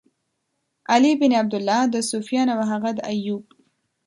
علی بن عبدالله، د سُفیان او هغه د ایوب.